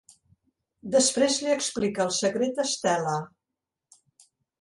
Després li explica el secret a Stella.